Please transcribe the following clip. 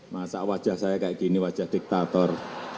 masa wajah saya kayak gini wajah diktator